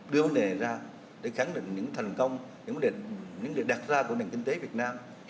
đưa vấn đề ra để khẳng định những thành công những vấn đề đặt ra của nền kinh tế việt nam